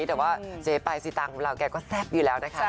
แต่ว่าเจปายสีตางของเราแกก็แซ่บอยู่แล้วนะคะ